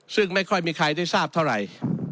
ซึ่งไม่ค่อยมีใครได้ทราบเท่าไหร่